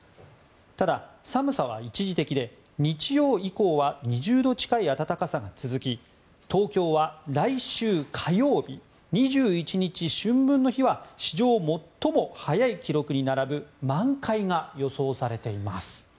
ただ、寒さは一時的で日曜以降は２０度近い暖かさが続き東京は来週火曜日、２１日、春分の日は史上最も早い記録に並ぶ満開が予想されています。